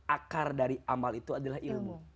akar dari amal itu adalah ilmu